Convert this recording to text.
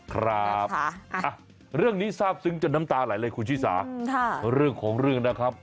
ครับเรื่องนี้ทราบซึ้งจนน้ำตาไหลเลยคุณชิสาเรื่องของเรื่องนะครับ